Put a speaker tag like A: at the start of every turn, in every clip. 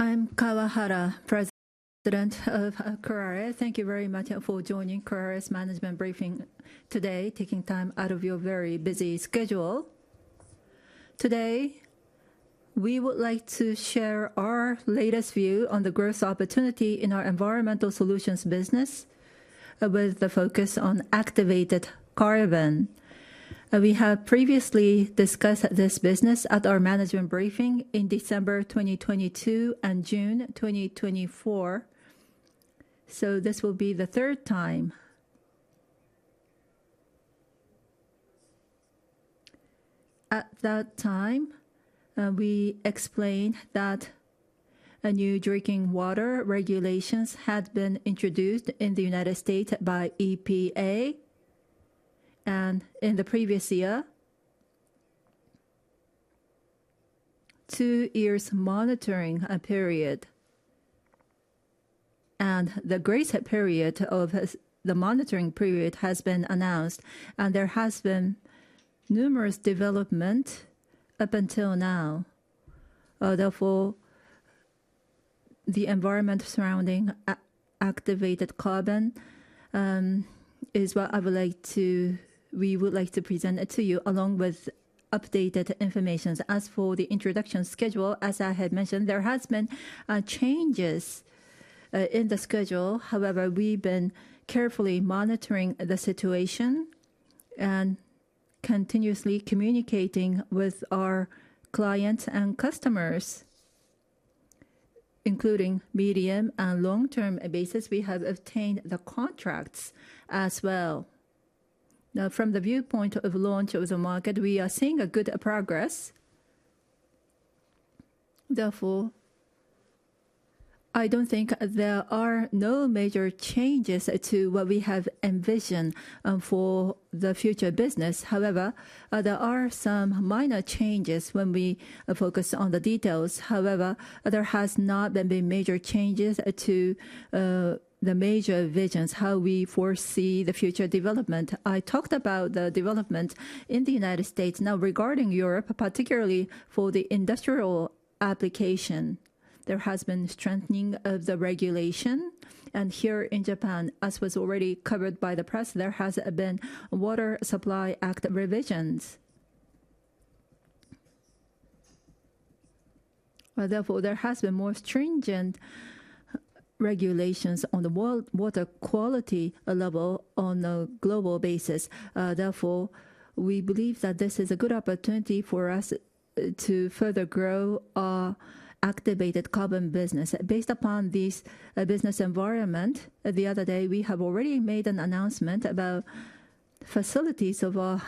A: I'm Kawahara, president of Kuraray. Thank you very much for joining Kuraray's management briefing today, taking time out of your very busy schedule. Today, we would like to share our latest view on the growth opportunity in our Environmental Solutions business, with the focus on activated carbon. We have previously discussed this business at our management briefing in December 2022 and June 2024, so this will be the third time. At that time, we explained that new drinking water regulations had been introduced in the U.S. by EPA, and in the previous year, two years' monitoring period, and the grade period of the monitoring period has been announced. There has been numerous development up until now. The environment surrounding activated carbon is what we would like to present to you, along with updated information. As for the introduction schedule, as I had mentioned, there has been changes in the schedule. We've been carefully monitoring the situation and continuously communicating with our clients and customers, including medium and long-term basis. We have obtained the contracts as well. From the viewpoint of launch of the market, we are seeing a good progress. I don't think there are no major changes to what we have envisioned for the future business. There are some minor changes when we focus on the details. There has not been any major changes to the major visions, how we foresee the future development. I talked about the development in the U.S. Regarding Europe, particularly for the industrial application, there has been strengthening of the regulation. Here in Japan, as was already covered by the press, there has been Water Supply Act revisions. There has been more stringent regulations on the water quality level on a global basis. We believe that this is a good opportunity for us to further grow our activated carbon business. Based upon this business environment, the other day, we have already made an announcement about facilities of our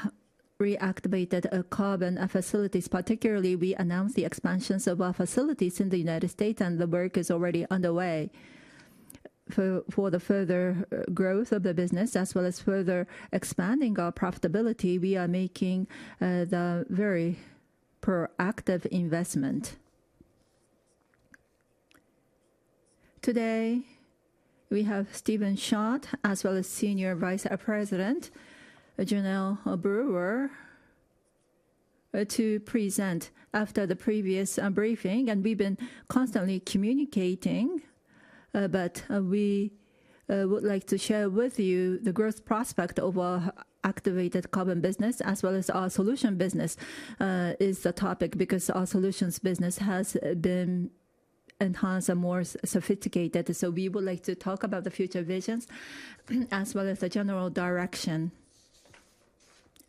A: reactivated carbon facilities. Particularly, we announced the expansions of our facilities in the U.S., and the work is already underway. For the further growth of the business as well as further expanding our profitability, we are making the very proactive investment. Today, we have Stevan Schott, as well as Senior Vice President Jenalle Brewer, to present after the previous briefing. We've been constantly communicating, but we would like to share with you the growth prospect of our activated carbon business as well as our solution business is the topic because our solutions business has been enhanced and more sophisticated. We would like to talk about the future visions as well as the general direction.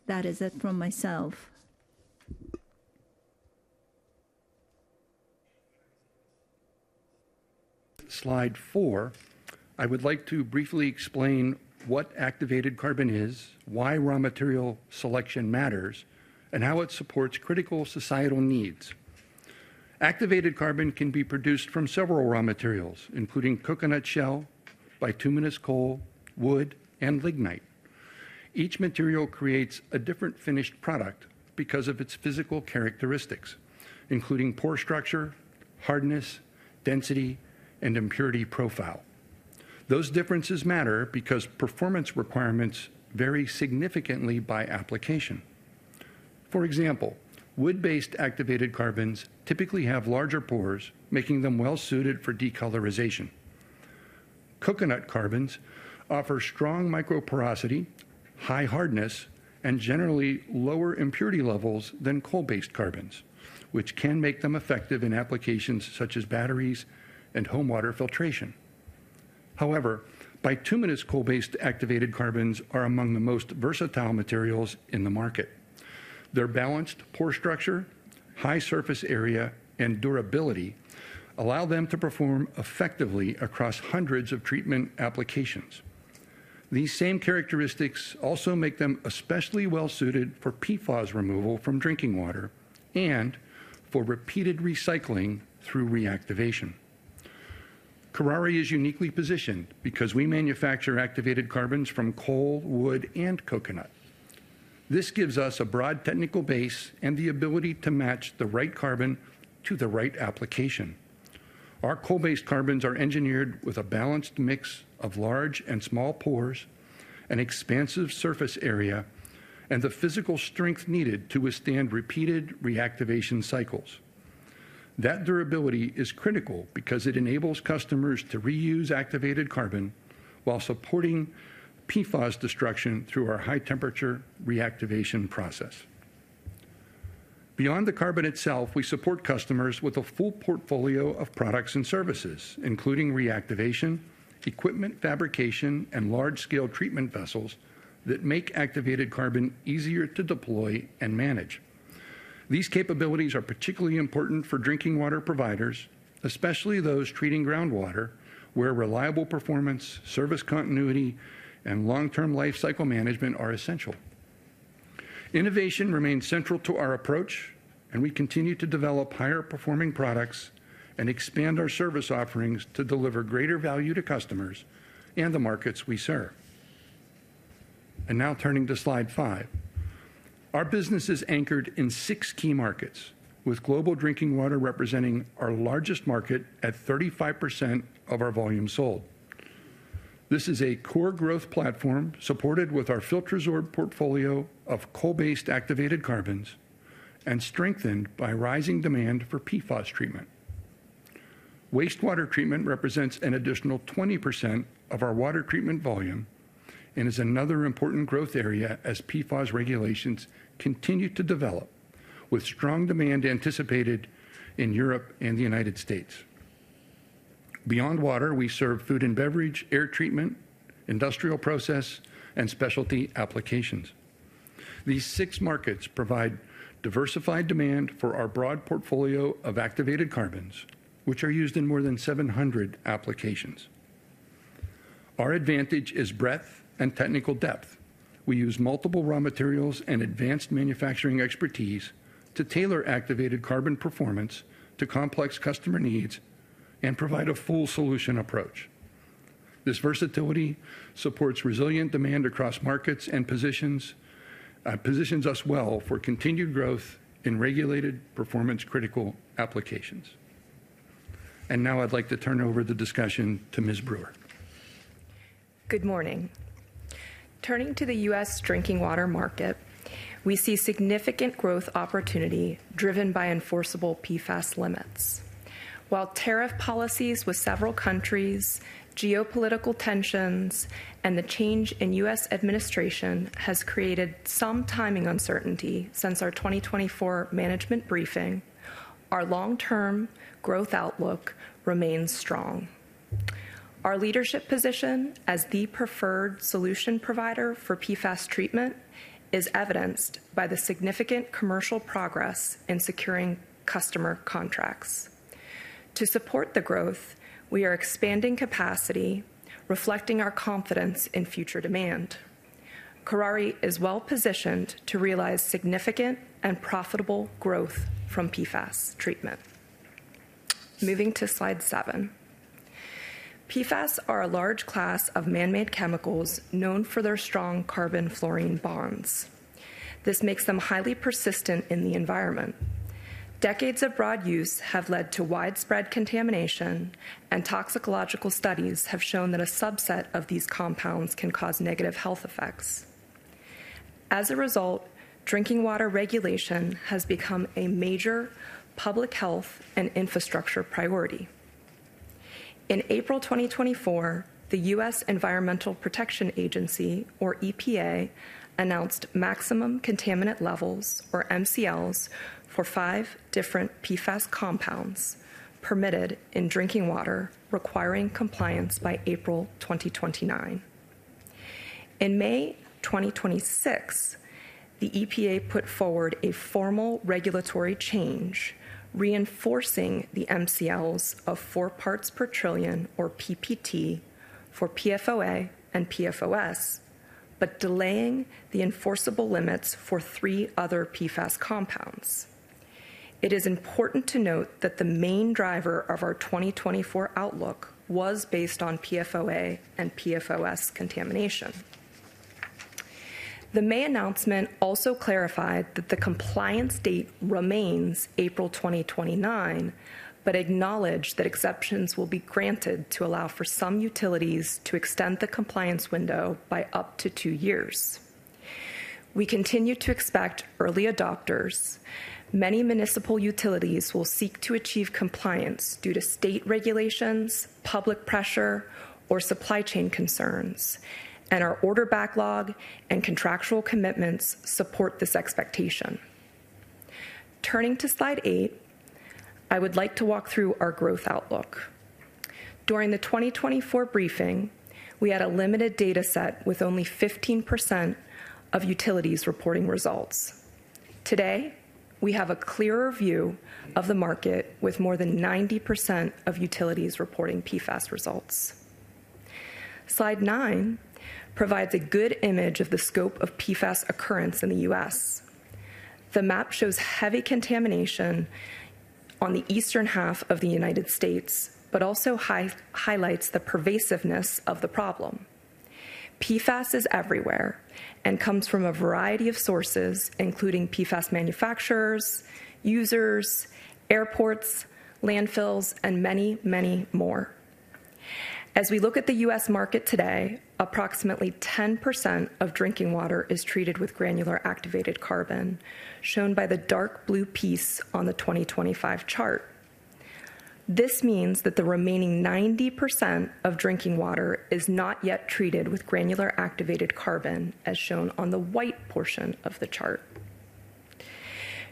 A: That is it from myself.
B: Slide four, I would like to briefly explain what activated carbon is, why raw material selection matters, and how it supports critical societal needs. Activated carbon can be produced from several raw materials, including coconut shell, bituminous coal, wood, and lignite. Each material creates a different finished product because of its physical characteristics, including pore structure, hardness, density, and impurity profile. Those differences matter because performance requirements vary significantly by application. For example, wood-based activated carbons typically have larger pores, making them well-suited for decolorization. Coconut carbons offer strong microporosity, high hardness, and generally lower impurity levels than coal-based carbons, which can make them effective in applications such as batteries and home water filtration. However, bituminous coal-based activated carbons are among the most versatile materials in the market. Their balanced pore structure, high surface area, and durability allow them to perform effectively across hundreds of treatment applications. These same characteristics also make them especially well-suited for PFAS removal from drinking water and for repeated recycling through reactivation. Kuraray is uniquely positioned because we manufacture activated carbons from coal, wood, and coconut. This gives us a broad technical base and the ability to match the right carbon to the right application. Our coal-based carbons are engineered with a balanced mix of large and small pores, an expansive surface area, and the physical strength needed to withstand repeated reactivation cycles. That durability is critical because it enables customers to reuse activated carbon while supporting PFAS destruction through our high-temperature reactivation process. Beyond the carbon itself, we support customers with a full portfolio of products and services, including reactivation, equipment fabrication, and large-scale treatment vessels that make activated carbon easier to deploy and manage. These capabilities are particularly important for drinking water providers, especially those treating groundwater, where reliable performance, service continuity, and long-term lifecycle management are essential. Innovation remains central to our approach, and we continue to develop higher-performing products and expand our service offerings to deliver greater value to customers and the markets we serve. Now turning to slide five. Our business is anchored in six key markets, with global drinking water representing our largest market at 35% of our volume sold. This is a core growth platform supported with our FILTRASORB portfolio of coal-based activated carbons and strengthened by rising demand for PFAS treatment. Wastewater treatment represents an additional 20% of our water treatment volume and is another important growth area as PFAS regulations continue to develop with strong demand anticipated in Europe and the United States. Beyond water, we serve food and beverage, air treatment, industrial process, and specialty applications. These six markets provide diversified demand for our broad portfolio of activated carbons, which are used in more than 700 applications. Our advantage is breadth and technical depth. We use multiple raw materials and advanced manufacturing expertise to tailor activated carbon performance to complex customer needs and provide a full solution approach. This versatility supports resilient demand across markets and positions us well for continued growth in regulated performance critical applications. Now I'd like to turn over the discussion to Ms. Brewer.
C: Good morning. Turning to the U.S. drinking water market, we see significant growth opportunity driven by enforceable PFAS limits. While tariff policies with several countries, geopolitical tensions, and the change in U.S. administration has created some timing uncertainty since our 2024 management briefing, our long-term growth outlook remains strong. Our leadership position as the preferred solution provider for PFAS treatment is evidenced by the significant commercial progress in securing customer contracts. To support the growth, we are expanding capacity, reflecting our confidence in future demand. Kuraray is well-positioned to realize significant and profitable growth from PFAS treatment. Moving to slide seven. PFAS are a large class of man-made chemicals known for their strong carbon-fluorine bonds. This makes them highly persistent in the environment. Decades of broad use have led to widespread contamination, and toxicological studies have shown that a subset of these compounds can cause negative health effects. As a result, drinking water regulation has become a major public health and infrastructure priority. In April 2024, the U.S. Environmental Protection Agency, or EPA, announced Maximum Contaminant Levels, or MCLs, for five different PFAS compounds permitted in drinking water, requiring compliance by April 2029. In May 2026, the EPA put forward a formal regulatory change reinforcing the MCLs of four parts per trillion, or PPT, for PFOA and PFOS, but delaying the enforceable limits for three other PFAS compounds. It is important to note that the main driver of our 2024 outlook was based on PFOA and PFOS contamination. The May announcement also clarified that the compliance date remains April 2029, but acknowledged that exceptions will be granted to allow for some utilities to extend the compliance window by up to two years. We continue to expect early adopters. Many municipal utilities will seek to achieve compliance due to state regulations, public pressure, or supply chain concerns. Our order backlog and contractual commitments support this expectation. Turning to slide eight, I would like to walk through our growth outlook. During the 2024 briefing, we had a limited data set with only 15% of utilities reporting results. Today, we have a clearer view of the market with more than 90% of utilities reporting PFAS results. Slide nine provides a good image of the scope of PFAS occurrence in the U.S. The map shows heavy contamination on the eastern half of the United States, but also highlights the pervasiveness of the problem. PFAS is everywhere and comes from a variety of sources, including PFAS manufacturers, users, airports, landfills, and many, many more. As we look at the U.S. market today, approximately 10% of drinking water is treated with granular activated carbon, shown by the dark blue piece on the 2025 chart. This means that the remaining 90% of drinking water is not yet treated with granular activated carbon, as shown on the white portion of the chart.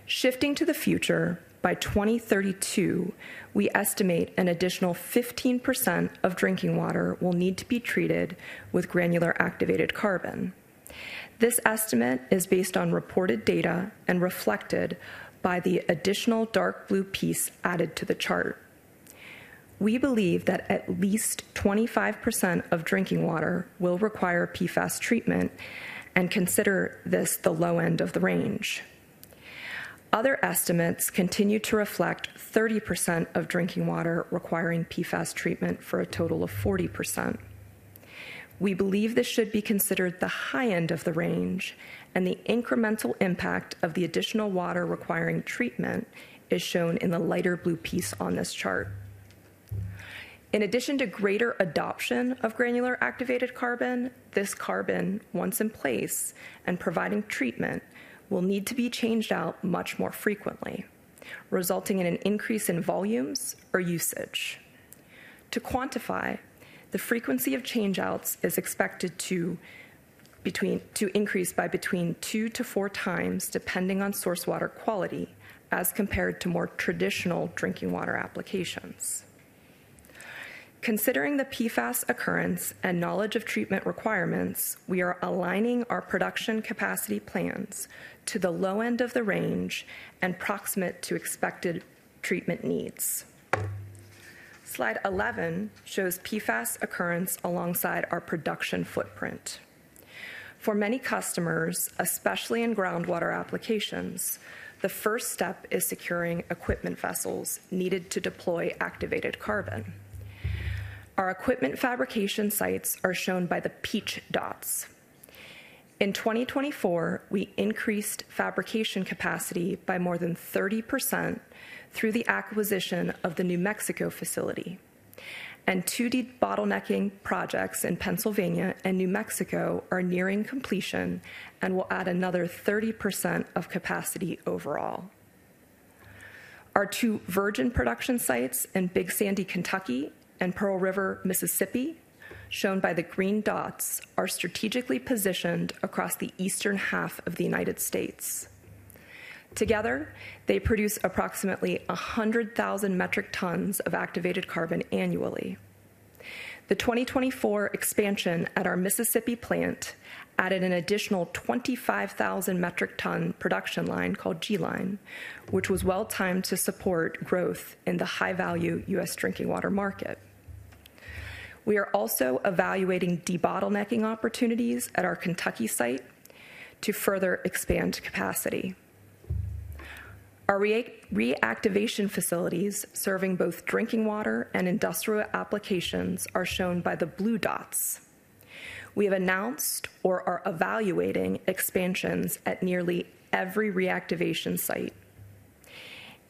C: Shifting to the future, by 2032, we estimate an additional 15% of drinking water will need to be treated with granular activated carbon. This estimate is based on reported data and reflected by the additional dark blue piece added to the chart. We believe that at least 25% of drinking water will require PFAS treatment and consider this the low end of the range. Other estimates continue to reflect 30% of drinking water requiring PFAS treatment for a total of 40%. We believe this should be considered the high end of the range, and the incremental impact of the additional water requiring treatment is shown in the lighter blue piece on this chart. In addition to greater adoption of granular activated carbon, this carbon, once in place and providing treatment, will need to be changed out much more frequently, resulting in an increase in volumes or usage. To quantify, the frequency of changeouts is expected to increase by between two to four times, depending on source water quality, as compared to more traditional drinking water applications. Considering the PFAS occurrence and knowledge of treatment requirements, we are aligning our production capacity plans to the low end of the range and proximate to expected treatment needs. Slide 11 shows PFAS occurrence alongside our production footprint. For many customers, especially in groundwater applications, the first step is securing equipment vessels needed to deploy activated carbon. Our equipment fabrication sites are shown by the peach dots. In 2024, we increased fabrication capacity by more than 30% through the acquisition of the New Mexico facility, and two debottlenecking projects in Pennsylvania and New Mexico are nearing completion and will add another 30% of capacity overall. Our two virgin production sites in Big Sandy, Kentucky, and Pearl River, Mississippi, shown by the green dots, are strategically positioned across the eastern half of the U.S. Together, they produce approximately 100,000 metric tons of activated carbon annually. The 2024 expansion at our Mississippi plant added an additional 25,000 metric ton production line called G Line, which was well-timed to support growth in the high-value U.S. drinking water market. We are also evaluating debottlenecking opportunities at our Kentucky site to further expand capacity. Our reactivation facilities serving both drinking water and industrial applications are shown by the blue dots. We have announced or are evaluating expansions at nearly every reactivation site.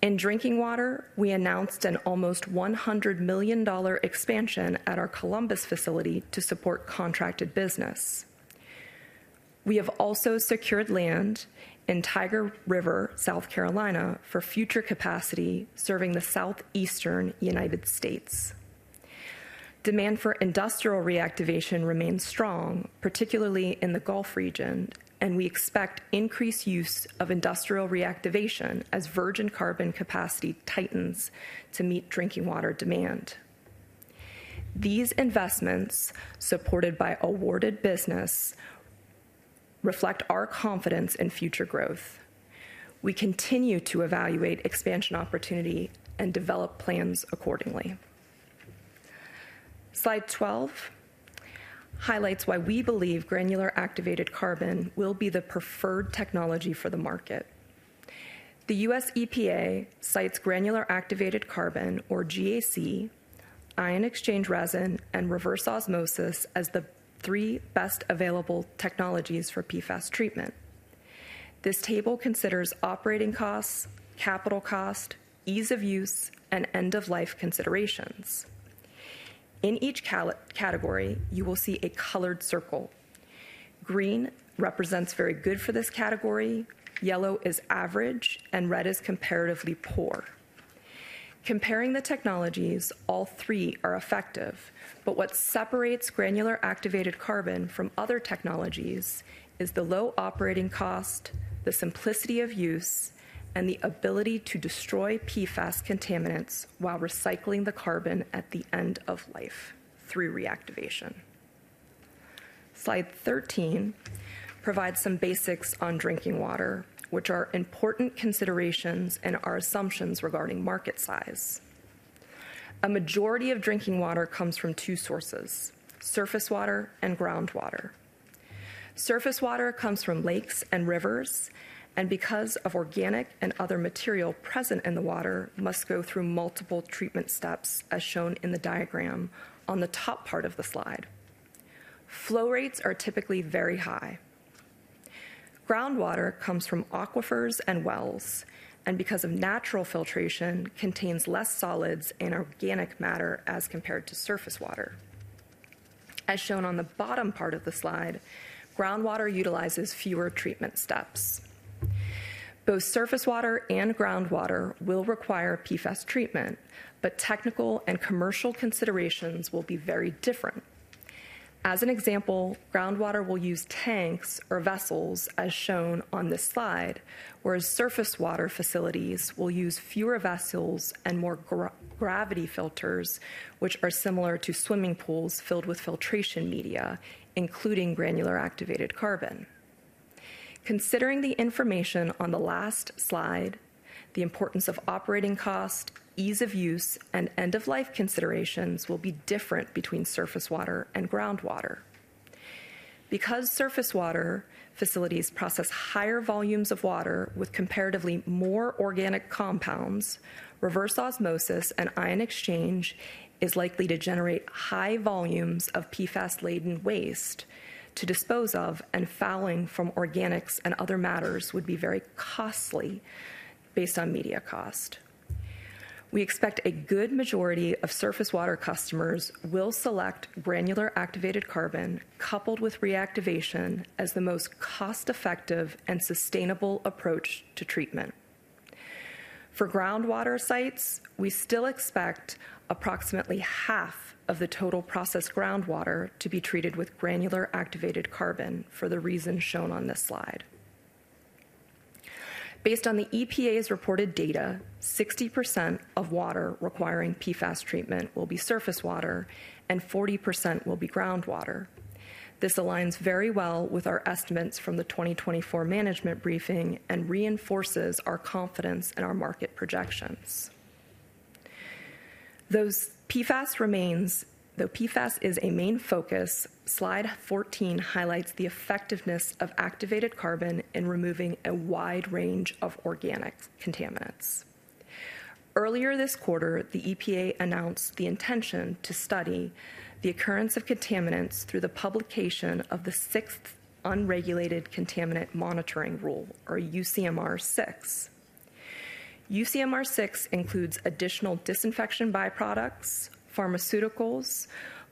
C: In drinking water, we announced an almost $100 million expansion at our Columbus facility to support contracted business. We have also secured land in Tyger River, South Carolina, for future capacity serving the Southeastern U.S. Demand for industrial reactivation remains strong, particularly in the Gulf region, and we expect increased use of industrial reactivation as virgin carbon capacity tightens to meet drinking water demand. These investments, supported by awarded business, reflect our confidence in future growth. We continue to evaluate expansion opportunity and develop plans accordingly. Slide 12 highlights why we believe granular activated carbon will be the preferred technology for the market. The USEPA cites granular activated carbon, or GAC, ion exchange resin, and reverse osmosis as the three best available technologies for PFAS treatment. This table considers operating costs, capital cost, ease of use, and end-of-life considerations. In each category, you will see a colored circle. Green represents very good for this category, yellow is average, and red is comparatively poor. Comparing the technologies, all three are effective. But what separates granular activated carbon from other technologies is the low operating cost, the simplicity of use, and the ability to destroy PFAS contaminants while recycling the carbon at the end of life through reactivation. Slide 13 provides some basics on drinking water, which are important considerations in our assumptions regarding market size. A majority of drinking water comes from two sources, surface water and groundwater. Surface water comes from lakes and rivers, and because of organic and other material present in the water, must go through multiple treatment steps, as shown in the diagram on the top part of the slide. Flow rates are typically very high. Groundwater comes from aquifers and wells, and because of natural filtration, contains less solids and organic matter as compared to surface water. As shown on the bottom part of the slide, groundwater utilizes fewer treatment steps. Both surface water and groundwater will require PFAS treatment, but technical and commercial considerations will be very different. As an example, groundwater will use tanks or vessels as shown on this slide, whereas surface water facilities will use fewer vessels and more gravity filters, which are similar to swimming pools filled with filtration media, including granular activated carbon. Considering the information on the last slide, the importance of operating cost, ease of use, and end-of-life considerations will be different between surface water and groundwater. Because surface water facilities process higher volumes of water with comparatively more organic compounds, reverse osmosis and ion exchange is likely to generate high volumes of PFAS-laden waste to dispose of, and fouling from organics and other matters would be very costly based on media cost. We expect a good majority of surface water customers will select granular activated carbon coupled with reactivation as the most cost-effective and sustainable approach to treatment. For groundwater sites, we still expect approximately half of the total processed groundwater to be treated with granular activated carbon for the reason shown on this slide. Based on the EPA's reported data, 60% of water requiring PFAS treatment will be surface water and 40% will be groundwater. This aligns very well with our estimates from the 2024 management briefing and reinforces our confidence in our market projections. Though PFAS is a main focus, slide 14 highlights the effectiveness of activated carbon in removing a wide range of organic contaminants. Earlier this quarter, the EPA announced the intention to study the occurrence of contaminants through the publication of the sixth Unregulated Contaminant Monitoring Rule, or UCMR 6. UCMR 6 includes additional disinfection byproducts, pharmaceuticals,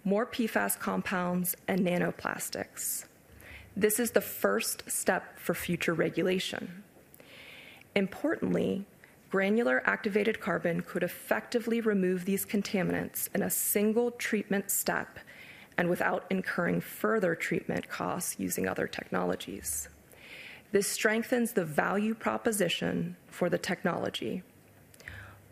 C: more PFAS compounds, and nanoplastics. This is the first step for future regulation. Importantly, granular activated carbon could effectively remove these contaminants in a single treatment step and without incurring further treatment costs using other technologies. This strengthens the value proposition for the technology.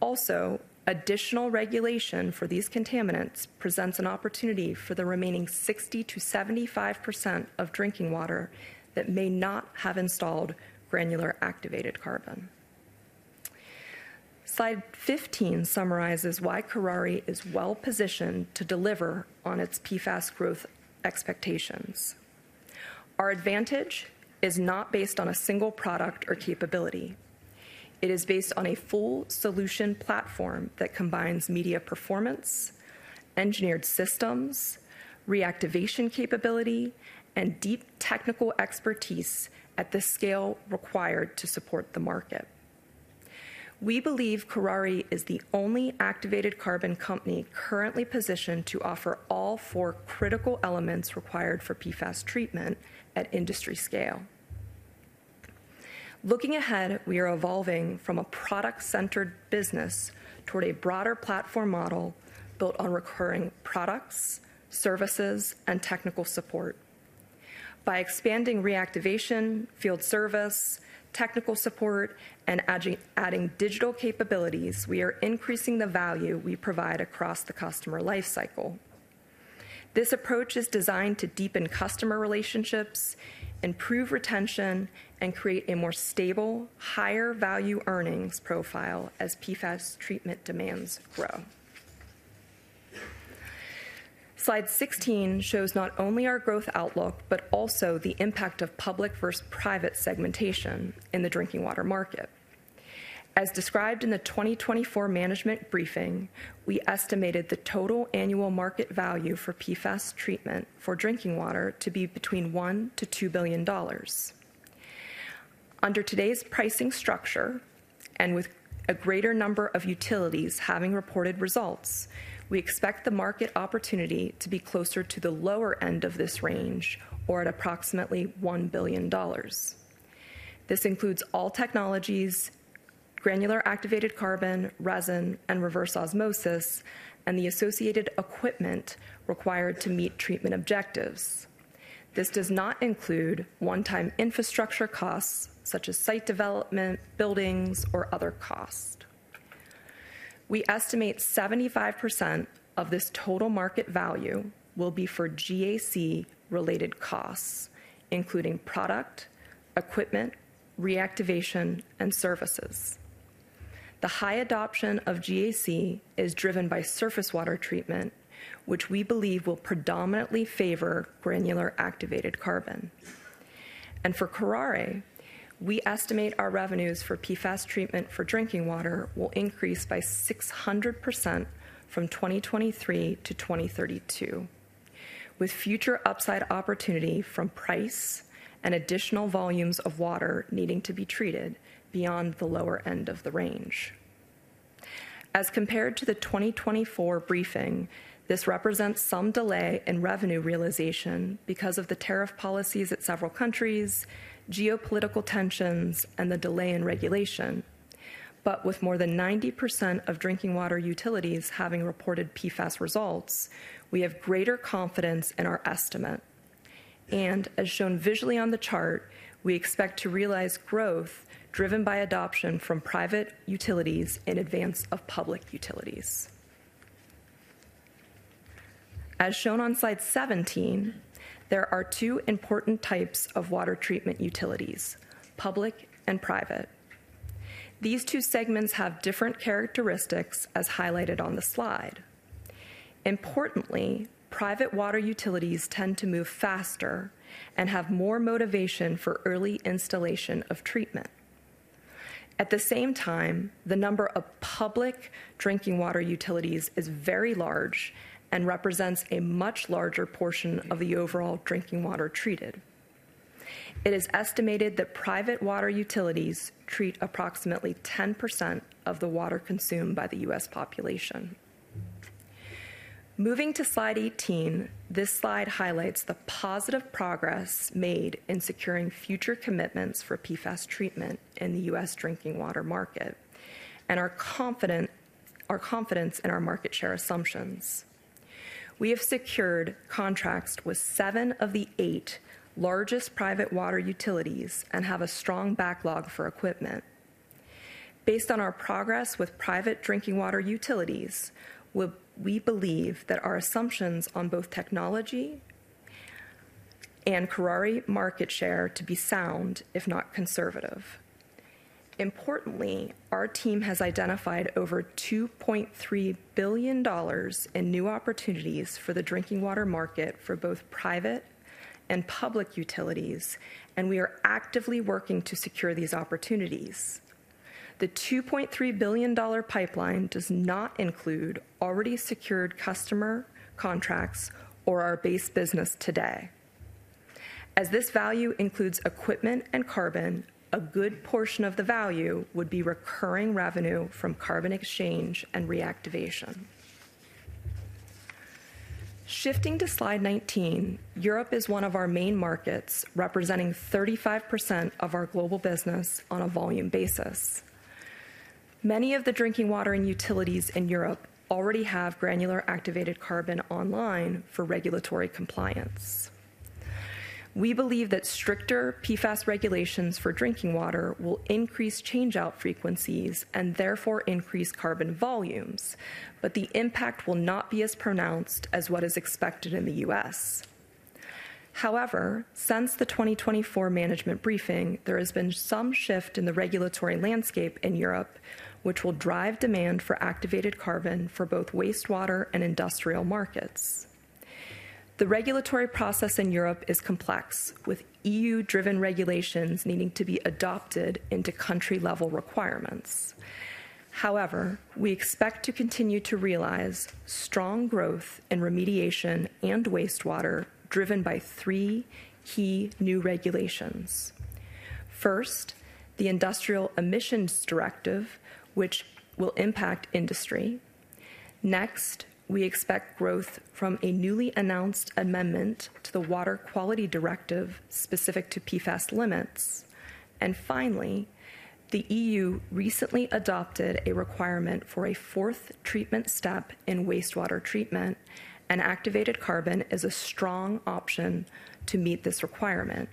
C: Also, additional regulation for these contaminants presents an opportunity for the remaining 60%-75% of drinking water that may not have installed granular activated carbon. Slide 15 summarizes why Kuraray is well-positioned to deliver on its PFAS growth expectations. Our advantage is not based on a single product or capability. It is based on a full solution platform that combines media performance, engineered systems, reactivation capability, and deep technical expertise at the scale required to support the market. We believe Kuraray is the only activated carbon company currently positioned to offer all four critical elements required for PFAS treatment at industry scale. Looking ahead, we are evolving from a product-centered business toward a broader platform model built on recurring products, services, and technical support. By expanding reactivation, field service, technical support, and adding digital capabilities, we are increasing the value we provide across the customer life cycle. This approach is designed to deepen customer relationships, improve retention, and create a more stable, higher value earnings profile as PFAS treatment demands grow. Slide 16 shows not only our growth outlook, but also the impact of public versus private segmentation in the drinking water market. As described in the 2024 management briefing, we estimated the total annual market value for PFAS treatment for drinking water to be between JPY 1 billion-JPY 2 billion. Under today's pricing structure, with a greater number of utilities having reported results, we expect the market opportunity to be closer to the lower end of this range, or at approximately JPY 1 billion. This includes all technologies, granular activated carbon, resin, and reverse osmosis, and the associated equipment required to meet treatment objectives. This does not include one-time infrastructure costs such as site development, buildings, or other costs. We estimate 75% of this total market value will be for GAC-related costs, including product, equipment, reactivation, and services. The high adoption of GAC is driven by surface water treatment, which we believe will predominantly favor granular activated carbon. For Kuraray, we estimate our revenues for PFAS treatment for drinking water will increase by 600% from 2023 to 2032, with future upside opportunity from price and additional volumes of water needing to be treated beyond the lower end of the range. As compared to the 2024 briefing, this represents some delay in revenue realization because of the tariff policies at several countries, geopolitical tensions, and the delay in regulation. With more than 90% of drinking water utilities having reported PFAS results, we have greater confidence in our estimate. As shown visually on the chart, we expect to realize growth driven by adoption from private utilities in advance of public utilities. As shown on slide 17, there are two important types of water treatment utilities, public and private. These two segments have different characteristics as highlighted on the slide. Importantly, private water utilities tend to move faster and have more motivation for early installation of treatment. At the same time, the number of public drinking water utilities is very large and represents a much larger portion of the overall drinking water treated. It is estimated that private water utilities treat approximately 10% of the water consumed by the U.S. population. Moving to slide 18, this slide highlights the positive progress made in securing future commitments for PFAS treatment in the U.S. drinking water market and our confidence in our market share assumptions. We have secured contracts with seven of the eight largest private water utilities and have a strong backlog for equipment. Based on our progress with private drinking water utilities, we believe that our assumptions on both technology and Kuraray market share to be sound, if not conservative. Importantly, our team has identified over JPY 2.3 billion in new opportunities for the drinking water market for both private and public utilities, and we are actively working to secure these opportunities. The JPY 2.3 billion pipeline does not include already secured customer contracts or our base business today. As this value includes equipment and carbon, a good portion of the value would be recurring revenue from carbon exchange and reactivation. Shifting to slide 19, Europe is one of our main markets, representing 35% of our global business on a volume basis. Many of the drinking water utilities in Europe already have granular activated carbon online for regulatory compliance. We believe that stricter PFAS regulations for drinking water will increase change-out frequencies and therefore increase carbon volumes, but the impact will not be as pronounced as what is expected in the U.S. However, since the 2024 management briefing, there has been some shift in the regulatory landscape in Europe, which will drive demand for activated carbon for both wastewater and industrial markets. The regulatory process in Europe is complex, with EU-driven regulations needing to be adopted into country-level requirements. However, we expect to continue to realize strong growth in remediation and wastewater driven by three key new regulations. First, the Industrial Emissions Directive, which will impact industry. Next, we expect growth from a newly announced amendment to the Water Quality Directive specific to PFAS limits. Finally, the EU recently adopted a requirement for a fourth treatment step in wastewater treatment, and activated carbon is a strong option to meet this requirement.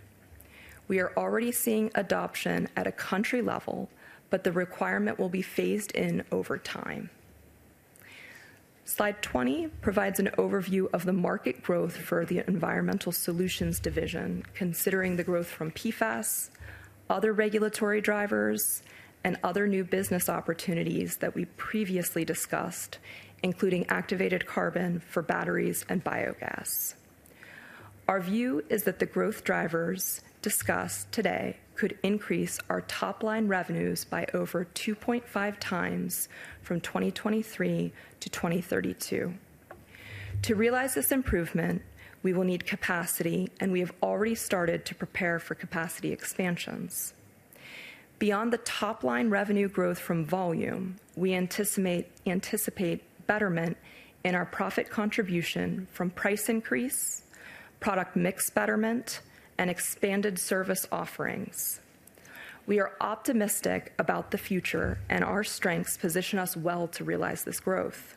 C: We are already seeing adoption at a country level, but the requirement will be phased in over time. Slide 20 provides an overview of the market growth for the Environmental Solutions Division, considering the growth from PFAS, other regulatory drivers, and other new business opportunities that we previously discussed, including activated carbon for batteries and biogas. Our view is that the growth drivers discussed today could increase our top-line revenues by over 2.5 times from 2023 to 2032. To realize this improvement, we will need capacity, and we have already started to prepare for capacity expansions. Beyond the top-line revenue growth from volume, we anticipate betterment in our profit contribution from price increase, product mix betterment, and expanded service offerings. We are optimistic about the future. Our strengths position us well to realize this growth.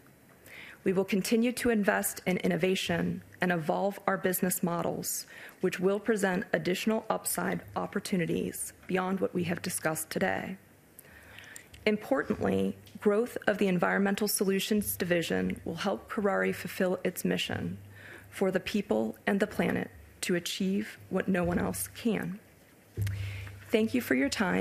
C: We will continue to invest in innovation and evolve our business models, which will present additional upside opportunities beyond what we have discussed today. Importantly, growth of the Environmental Solutions Division will help Kuraray fulfill its mission for the people and the planet to achieve what no one else can. Thank you for your time.